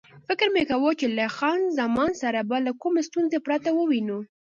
فکر مې کاوه چې له خان زمان سره به له کومې ستونزې پرته ووینو.